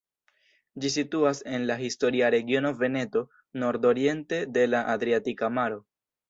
Ĝi situas en la historia regiono Veneto, nordoriente de la Adriatika Maro.